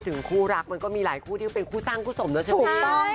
ถึงคู่รักมันก็มีหลายคู่ที่เป็นคู่สร้างคู่สมแล้วใช่ไหมถูกต้อง